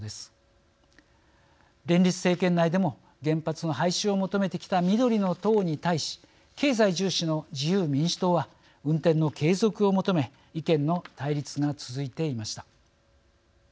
連立政権内でも原発の廃止を求めてきた緑の党に対し経済重視の自由民主党は運転の継続を求め意見の対立が続いていました。